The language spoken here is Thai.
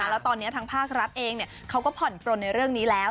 แล้วตอนนี้ทางภาครัฐเองเขาก็ผ่อนปลนในเรื่องนี้แล้ว